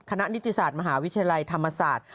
นิติศาสตร์มหาวิทยาลัยธรรมศาสตร์